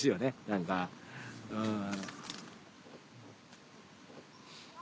何かうん。